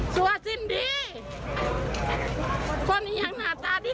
เตี๋ยวก่อนเตี๋ยวก่อนเตี๋ยวก่อนเตี๋ยวก่อน